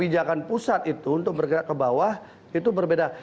dan pusat itu untuk bergerak ke bawah itu berbeda